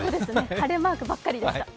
晴れマークばかりでした。